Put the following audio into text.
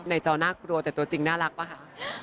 จอน่ากลัวแต่ตัวจริงน่ารักป่ะคะ